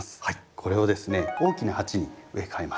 これをですね大きな鉢に植え替えます。